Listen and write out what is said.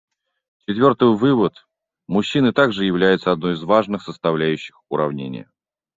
Четвертый вывод: мужчины также являются одной из важных составляющих уравнения.